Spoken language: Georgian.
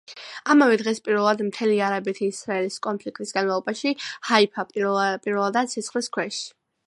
ამავე დღეს, პირველად მთელი არაბეთ-ისრაელის კონფლიქტის განმავლობაში, ჰაიფა პირველადაა ცეცხლის ქვეშ.